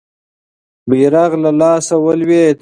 بیرغ له لاسه ولوېد.